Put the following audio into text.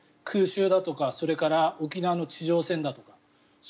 空襲だとかそれから沖縄の地上戦だとか。